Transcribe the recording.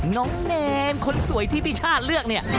น้องเนรคนสวยที่พี่ชาติเลือกเนี่ย